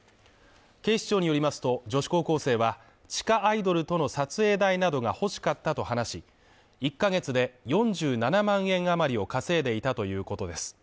警視庁によりますと、女子高校生は、地下アイドルとの撮影代などが欲しかったと話し１ヶ月で４７万円余りを稼いでいたということです。